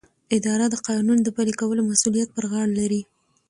اداره د قانون د پلي کولو مسؤلیت پر غاړه لري.